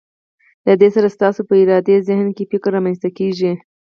له دې سره ستاسو په ارادي ذهن کې فکر رامنځته کیږي.